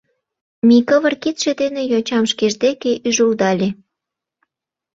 — Микывыр кидше дене йочам шкеж деке ӱжылдале.